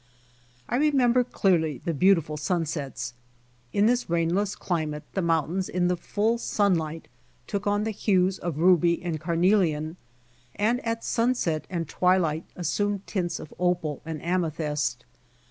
I remember clearly the beautiful sunsets. In this rainless climate the mountains in the full sunlight took on the hues of ruby and carnelian, and at sunset and twilight assumed tints of opal and amethyst.